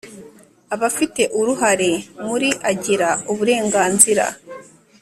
Abafite uruhare muri agira uburenganzira